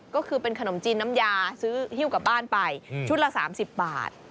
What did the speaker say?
ก็คือเป็นขนมจีนน้ำยาซื้อฮิ้วกลับบ้านไปชุดละ๓๐บาท